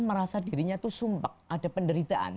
merasa dirinya itu sumpah ada penderitaan